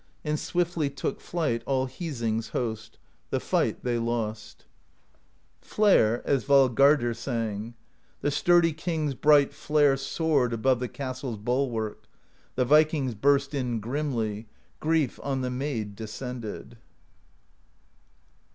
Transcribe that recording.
And swiftly took flight All Hising's host: The fight they lost. 224 PROSE EDDA Flare, as Valgardr sang: The sturdy king's bright Flare soared Above the castle's bulwark; The vikings burst in grimly: Grief on the maid descended.